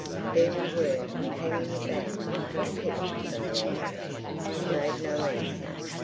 There we were, hanging about. What kept you so long?" She made no answer.